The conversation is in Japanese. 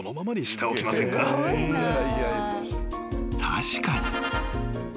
［確かに］